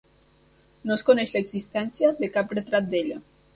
No es coneix l'existència de cap retrat d'ella.